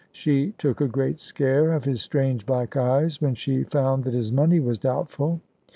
She took a great scare of his strange black eyes, when she found that his money was doubtful.